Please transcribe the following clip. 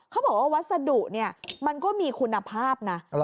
เขาบอกว่าวัสดุเนี่ยมันก็มีคุณภาพนะ